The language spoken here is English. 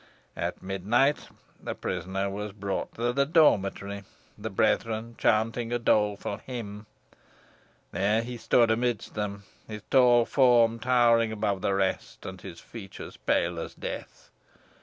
At midnight the prisoner was brought to the dormitory, the brethren chanting a doleful hymn. There he stood amidst them, his tall form towering above the rest, and his features pale as death.